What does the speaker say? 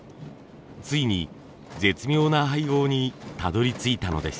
ついに絶妙な配合にたどりついたのです。